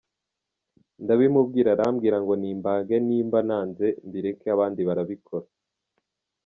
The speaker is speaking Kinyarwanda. Ndabimubwira arambwira ngo nimbage niba nanze mbireke abandi barabikora.